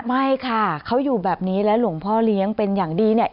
ไม่ค่ะเขาอยู่แบบนี้และหลวงพ่อเลี้ยงเป็นอย่างดีเนี่ย